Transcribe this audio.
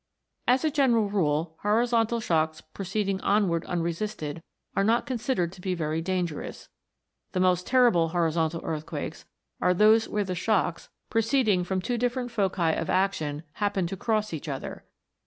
As a general rule, horizontal shocks proceeding onward unresisted, are not considered to be very dangerous. The most terrible horizontal earth quakes are those where the shocks, proceeding from two different foci of action, happen to cross each other.